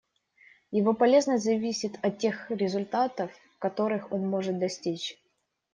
Его полезность зависит от тех результатов, которых он может достичь.